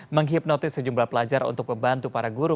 menghipnotis sejumlah pelajar untuk membantu para guru